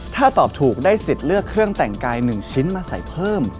ถ้าตอบถูกได้สิทธิ์เลือกเครื่องแต่งกาย๑ชิ้นมาใส่เพิ่ม